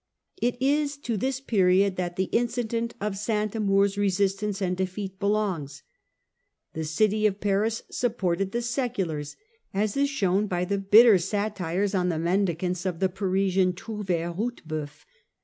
It is to this period that the incident of St Amour's resist ance and defeat belongs. The city of Paris supported the seculars, as is shown by the bitter satires on the Mendicants of the Parisian trouvdre Ruteboeuf.